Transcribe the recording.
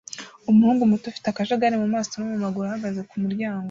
Umuhungu muto ufite akajagari mumaso no mumaguru ahagaze kumuryango